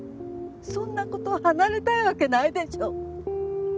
そんな子と離れたいわけないでしょ！